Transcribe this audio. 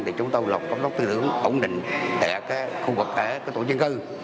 thì chúng tôi là một cấp tư thưởng ổn định tại khu vực ở tổ chương cư